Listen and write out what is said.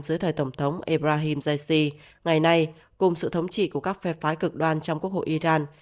dưới thời tổng thống ebrahim raisi ngày nay cùng sự thống trị của các phe phái cực đoan trong quốc hội iran